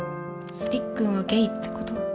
りっくんはゲイってこと？